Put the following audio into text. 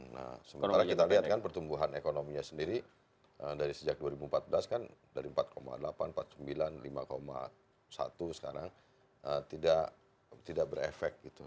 nah sementara kita lihat kan pertumbuhan ekonominya sendiri dari sejak dua ribu empat belas kan dari empat delapan empat puluh sembilan lima satu sekarang tidak berefek gitu